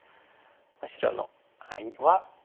白のハイには。